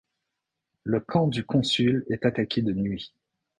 Le camp du consul est attaqué de nuit.